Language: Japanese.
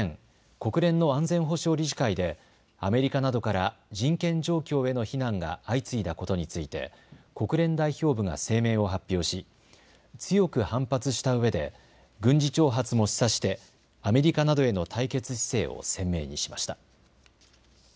国連の安全保障理事会でアメリカなどから人権状況への非難が相次いだことについて国連代表部が声明を発表し強く反発したうえで軍事挑発も示唆してアメリカなどへの対決姿勢を鮮明にしました。